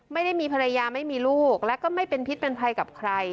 ไม่ได้มีภรรยาไม่มีลูกแล้วก็ไม่เป็นพิษเป็นภัยกับใคร